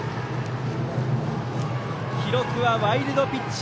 記録はワイルドピッチ。